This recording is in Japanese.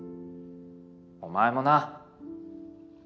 お前もな。